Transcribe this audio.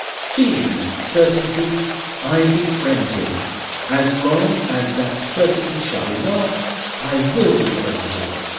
Feeling that certainty, I befriend him. As long as that certainty shall last, I will befriend him.